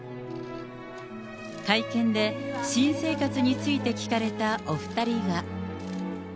会見で、新生活について聞かれたお２人は。